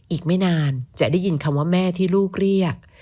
อีกไม่นานจะได้ยินคำว่าแม่ที่ลูกเรียก